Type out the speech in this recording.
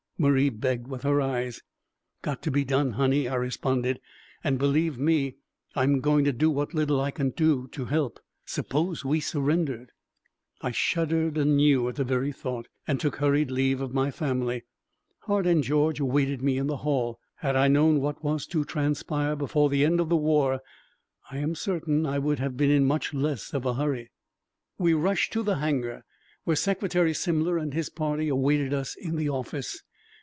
Marie begged with her eyes. "Got to be done, Honey," I responded, "and, believe me, I am going to do what little I can to help. Suppose we surrendered!" I shuddered anew at the very thought and took hurried leave of my family, Hart and George awaiting me in the hall. Had I known what was to transpire before the end of the war, I am certain I would have been in much less of a hurry. We rushed to the hangar, where Secretary Simler and his party awaited us in the office.